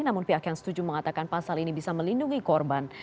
namun pihak yang setuju mengatakan pasal ini bisa melindungi korban